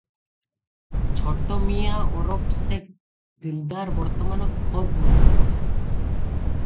ଛୋଟ ମିଆଁ ଓରଫ ଶେଖ ଦିଲଦାର ବର୍ତ୍ତମାନ ଖୋଦ୍ ମାଲିକ ।